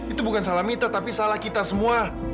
itu bukan salah mita tapi salah kita semua